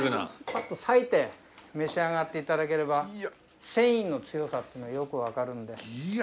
パッと裂いて召し上がって頂ければ繊維の強さというのがよくわかるので。